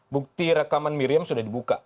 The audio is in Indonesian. bukti rekaman miriam sudah dibuka